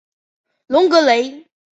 隆格雷。